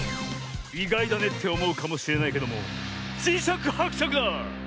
いがいだねっておもうかもしれないけどもじしゃくはくしゃくだ！